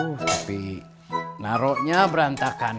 uh tapi naroknya berantakan